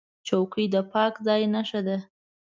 چوکۍ د پاک ځای نښه ده.